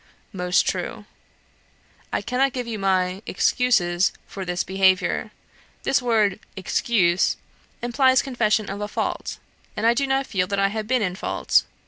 Most true. I cannot give you my excuses for this behaviour; this word excuse implies confession of a fault, and I do not feel that I have been in fault.